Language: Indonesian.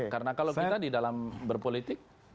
karena kalau kita di dalam berpolitik